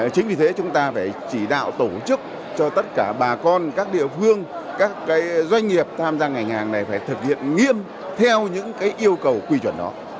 chính vì thế chúng ta phải chỉ đạo tổ chức cho tất cả bà con các địa phương các doanh nghiệp tham gia ngành hàng này phải thực hiện nghiêm theo những yêu cầu quy chuẩn đó